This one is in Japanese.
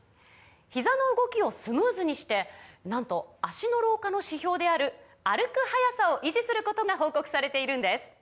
ひざの動きをスムーズにしてなんと脚の老化の指標である歩く速さを維持することが報告されているんです